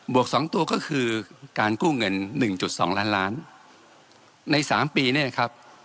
วกสองตัวก็คือการกู้เงินหนึ่งจุดสองล้านล้านในสามปีเนี่ยนะครับ